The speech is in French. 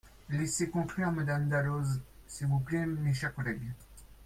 Laissez conclure Madame Dalloz, s’il vous plaît, mes chers collègues.